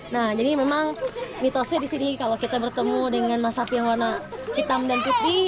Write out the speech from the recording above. nah jadi memang mitosnya di sini kalau kita bertemu dengan masapi yang warna hitam dan putih